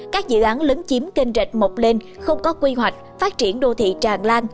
các dự án lớn chiếm kênh rệch mọc lên không có quy hoạch phát triển đô thị tràn lan